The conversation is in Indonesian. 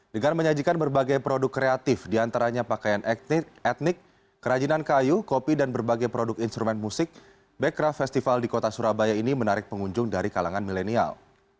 dengan menyajikan berbagai produk kreatif diantaranya pakaian etnik kerajinan kayu kopi dan berbagai produk instrumen musik bekraf festival di kota surabaya ini menarik pengunjung dari kalangan milenial